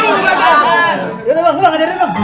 aduh aduh ajarin dong ajarin dong